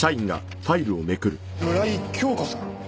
村井今日子さん。